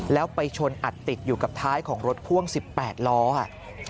แล้วไปชนอัดติดอยู่กับท้ายของรถพ่วง๑๘ล้อค่ะ